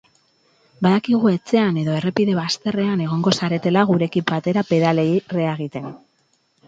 Badakigu etxean edo errepide bazterrean egongo zaretela gurekin batera pedalei reagiten.